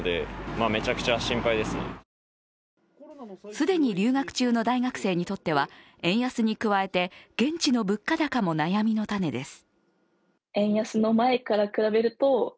既に留学中の大学生にとっては円安に加えて現地の物価高も悩みの種です。